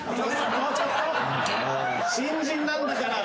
新人なんだから！